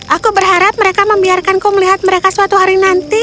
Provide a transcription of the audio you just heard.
aku berharap mereka membiarkanku melihat mereka suatu hari nanti